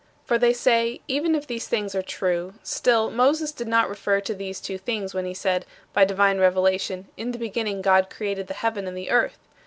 For they say: "Even if these things are true, still Moses did not refer to these two things when he said, by divine revelation, 'In the beginning God created the heaven and the earth.'